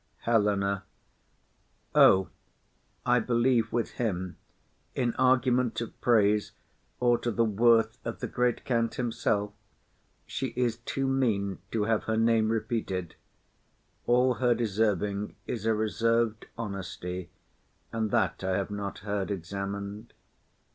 HELENA. O, I believe with him, In argument of praise, or to the worth Of the great count himself, she is too mean To have her name repeated; all her deserving Is a reserved honesty, and that I have not heard examin'd.